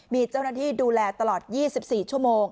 มีเจ้าหน้าที่ดูแลตลอด๒๔ชั่วโมง